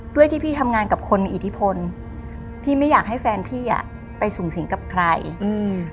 ด้วยที่พี่ทำงานกับคนมีอิทธิพลพี่ไม่อยากให้แฟนพี่อ่ะไปสูงสิงกับใครอืม